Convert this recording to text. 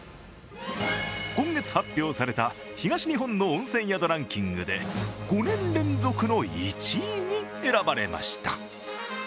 今月発表された東日本の温泉宿ランキングで５年連続の１位に選ばれました。